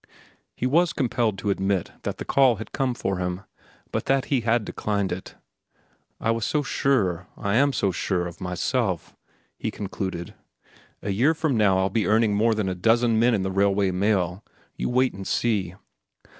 He was compelled to admit that the call had come for him, but that he had declined it. "I was so sure—I am so sure—of myself," he concluded. "A year from now I'll be earning more than a dozen men in the Railway Mail. You wait and see."